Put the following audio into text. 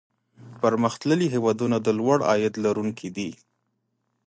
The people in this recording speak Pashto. پرمختللي هېوادونه د لوړ عاید لرونکي دي.